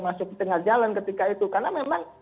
masuk ke tengah jalan ketika itu karena memang